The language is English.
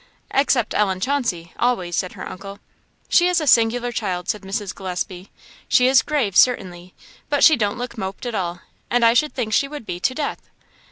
"Except Ellen Chauncey always," said her uncle. "She is a singular child," said Mrs. Gillespie. "She is grave, certainly, but she don't look moped at all, and I should think she would be, to death."